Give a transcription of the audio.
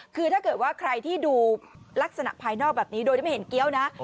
คือถ้าเกิดว่าใครที่ดูลักษณะภายนอกแบบนี้โดยที่ไม่เห็นเกี้ยวนะ